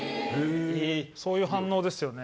そういう反応ですよね。